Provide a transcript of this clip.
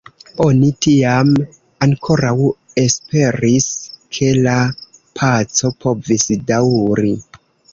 Oni tiam ankoraŭ esperis, ke la paco povis daŭri.